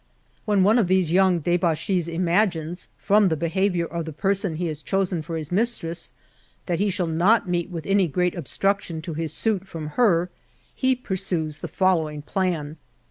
4 When one of these young debauchees imagines, from the behaviour of the person he has chosen for his mistress, that he shall not meet with any great obstruction to his suit from her, ho pursues the following plan.